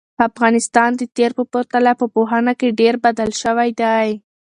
افغانستان د تېر په پرتله په پوهنه کې ډېر بدل شوی دی.